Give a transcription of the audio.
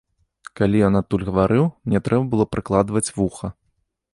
Калі ён адтуль гаварыў, мне трэба было прыкладваць вуха.